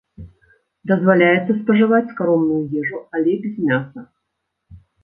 Дазваляецца спажываць скаромную ежу, але без мяса.